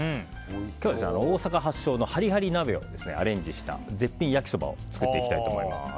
今日は大阪発祥のハリハリ鍋をアレンジした絶品焼きそばを作っていきたいと思います。